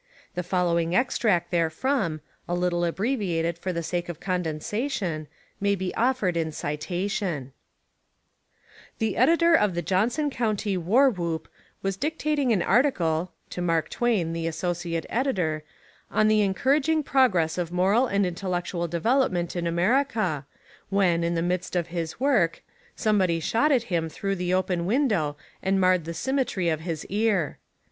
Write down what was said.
The following extract therefrom, a little abbreviated for the sake of condensation, may be offered in citation: io8 American Humour The Editor of the Johnson County Worwhoop was dictating an article (to Mark Twain, the Associate Editor) on the Encouraging Progress of Moral and Intellectual Development in America, when, in the midst of his work, somebody shot at him through the open window and marred the symmetry of his ear.